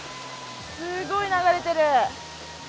すごい流れてる！